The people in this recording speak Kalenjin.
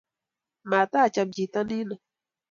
matacham chito nino